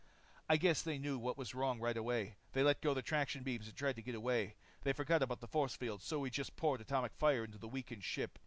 "I guess they knew what was wrong right away. They let go the traction beams and tried to get away. They forgot about the force field, so we just poured atomic fire into the weakening ship.